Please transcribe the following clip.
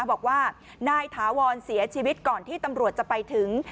บอกว่านายถาวรเสียชีวิตก่อนที่ตำรวจจะไปถึง